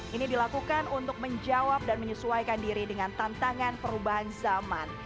ini dilakukan untuk menjawab dan menyesuaikan diri dengan tantangan perubahan zaman